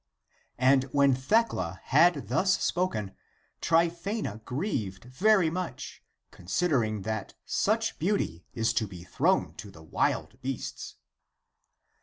And when Thecla had thus spoken, Tryphaena grieved very much, considering that such beauty is to be thrown to the wild beasts.